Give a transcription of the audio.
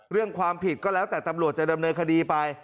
เรื่องความผิดก็แล้วแต่ตำรวจจะดำเนินคดีไป